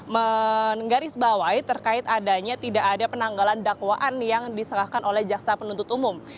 menggarisbawahi terkait adanya tidak ada penanggalan dakwaan yang diserahkan oleh jaksa penuntut umum